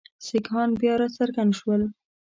سیکهان بیا را څرګند شول.